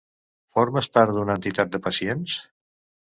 Formes part d'una entitat de pacients?